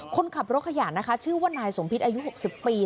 คนขับรถขยะนะคะชื่อว่านายสมพิษอายุ๖๐ปี